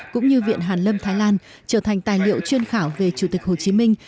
cũng như viện hàn lâm thái lan trở thành tài liệu chuyên khảo về chủ tịch hồ chí minh